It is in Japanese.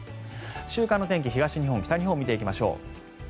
週間の天気、東日本、北日本を見ていきましょう。